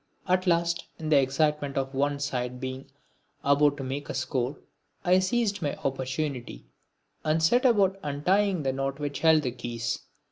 At last, in the excitement of one side being about to make a score, I seized my opportunity and set about untying the knot which held the keys.